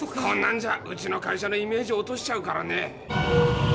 こんなんじゃうちの会社のイメージ落としちゃうからね。